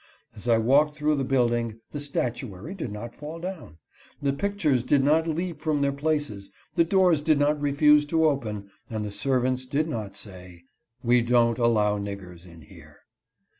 As I walked through the building the statu ary did not fall down, the pictures did not leap from their places, the doors did not refuse to open, and the servants did not say, " We don't allow niggers in here."